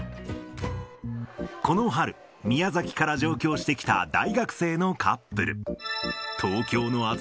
この春、宮崎から上京してきた大学生のカップル。